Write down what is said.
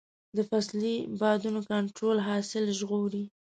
د فصلي بادونو کنټرول حاصل ژغوري.